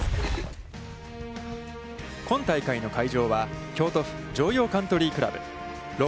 今大会の会場は、京都府・城陽カントリー倶楽部。